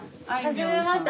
はじめまして。